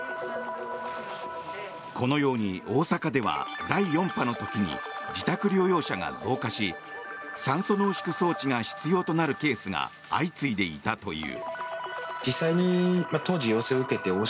このように大阪では第４波の時に自宅療養者が増加し酸素濃縮装置が必要となるケースが相次いでいたという。